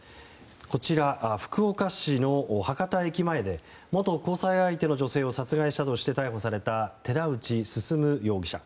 こちら、福岡市の博多駅前で元交際相手の女性を殺害したとして逮捕された寺内進容疑者。